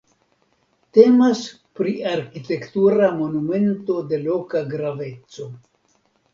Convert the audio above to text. Temas pri arkitektura monumento de loka graveco.